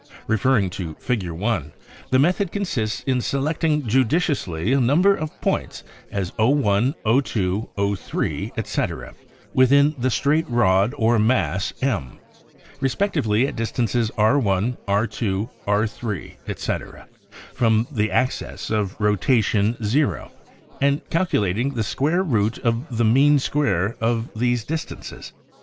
Referring to Fig. 1, the method consists in selecting judiciously a number of points as Oi, o2, 03, etc., within the straight rod or mass M, respectively at distances r,, r2, r3, etc., from the axis of rotation 0 and cal culating the square root of the mean square of these distances.